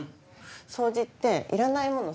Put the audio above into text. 掃除っていらないもの